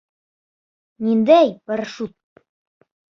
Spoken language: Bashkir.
Ниндәй «парашют»?